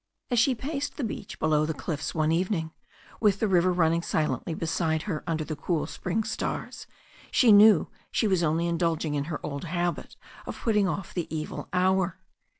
As she paced the beach below the cliffs one evening, with the river running silently beside her under the cool spring stars, she knew she was only indulging in her old habit of putting off the evil hour.